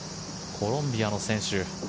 コロンビアの選手。